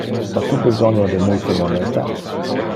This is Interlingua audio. Ha tu besonio de multe moneta?